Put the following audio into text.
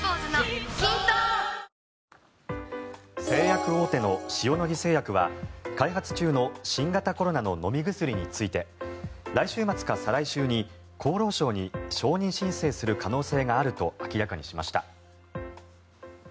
製薬大手の塩野義製薬は開発中の新型コロナの飲み薬について来週末か再来週に、厚労省に承認申請する可能性があると明らかにしました。